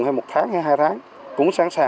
hay một tháng hay hai tháng